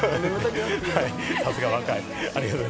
さすが、若い！